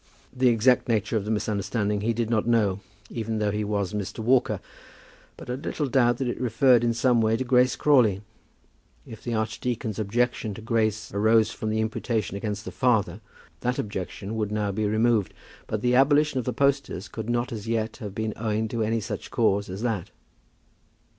The exact nature of the misunderstanding he did not know, even though he was Mr. Walker, but had little doubt that it referred in some way to Grace Crawley. If the archdeacon's objection to Grace arose from the imputation against the father, that objection would now be removed, but the abolition of the posters could not as yet have been owing to any such cause as that.